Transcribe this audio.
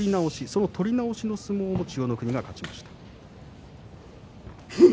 その取り直しの相撲も千代の国が勝ちました。